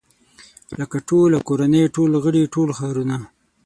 لکه ټوله کورنۍ ټول غړي ټول ښارونه.